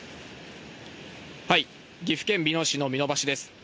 岐阜県美濃市の美濃橋です。